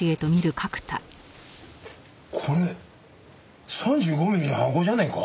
これ３５ミリの箱じゃねえか？